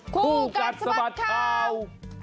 คู่กัดสะบัดข่าว